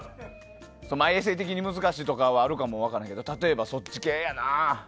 衛生的に難しいとかはあるかも分からんけど例えば、そっち系やな。